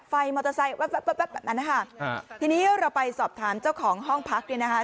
ไฟมอเตอร์ไซค์แว๊บแบบนั้นนะคะทีนี้เราไปสอบถามเจ้าของห้องพักเนี่ยนะคะ